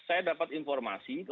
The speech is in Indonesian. saya dapat informasi